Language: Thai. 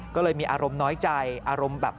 ก็เลยมีอารมณ์น้อยใจอารมณ์แบบ